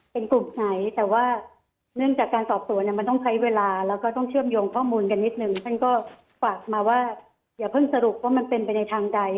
เป็นกลุ่มไหนแต่ว่าเนื่องจากการสอบสวนเนี่ยมันต้องใช้เวลาแล้วก็ต้องเชื่อมโยงข้อมูลกันนิดนึงท่านก็ฝากมาว่าอย่าเพิ่งสรุปว่ามันเป็นไปในทางใด